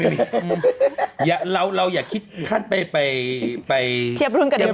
ไม่มีเราอย่าคิดขั้นไปเทียบรุ่นกับเด็ก